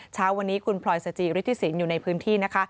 เช้าวันนี้คุณพลอยสจิฤทธิสินอยู่ในพื้นที่นะคะ